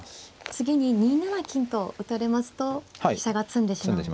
次に２七金と打たれますと飛車が詰んでしまうんですね。